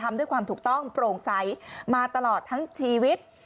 ทำด้วยความถูกต้องโปร่งใสมาตลอดทั้งชีวิต